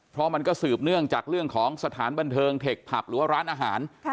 เพราะมันก็สืบเนื่องจากเรื่องของสถานบันเทิงเทคผับหรือว่าร้านอาหาร